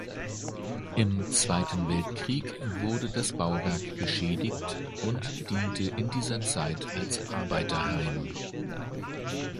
Im Zweiten Weltkrieg wurde das Bauwerk beschädigt und diente in dieser Zeit als Arbeiterheim.